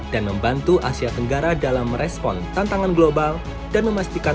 dan membantu asia tenggara dalam merespons asean